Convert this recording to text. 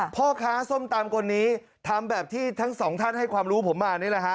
พ่อค้าส้มตำคนนี้ทำแบบที่ทั้งสองท่านให้ความรู้ผมมานี่แหละฮะ